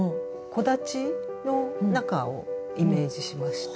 木立の中をイメージしまして。